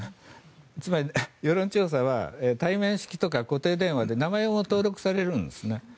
つまり、世論調査は対面式とか固定電話で名前を登録されるんですね。